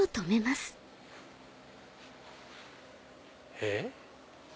えっ？